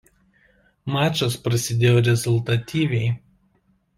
Mačas prasidėjo rezultatyviai.